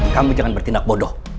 kamu jangan bertindak bodoh